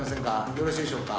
よろしいでしょうか？